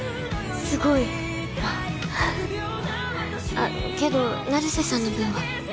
すごいあっあっけど成瀬さんの分は？